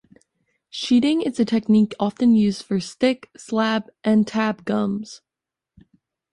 Sheeting is a technique often used for stick, slab and tab gums.